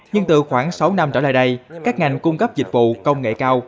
nhưng từ khoảng sáu năm trở lại đây các ngành cung cấp dịch vụ công nghệ cao